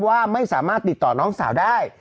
ว่าไม่สามารถติดต่อน้องสาวได้